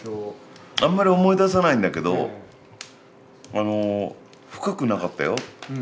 あんまり思い出さないんだけどあの深くなかったよ